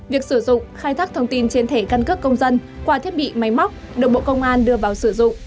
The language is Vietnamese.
việc sử dụng khai thác thông tin trên thẻ căn cước công dân qua thiết bị máy móc được bộ công an đưa vào sử dụng